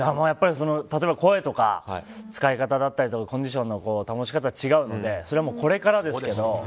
例えば声とか使い方だったりコンディションの保ち方が違うのでそれはもう、これからですけど。